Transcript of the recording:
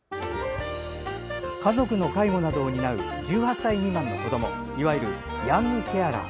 家族の介護などを担う１８歳未満の子どもいわゆるヤングケアラー。